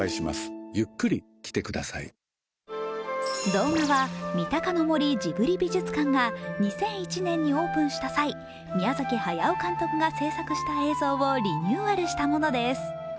動画は三鷹の森ジブリ美術館が２００１年にオープンした際宮崎駿監督が制作した映像をリニューアルしたものです。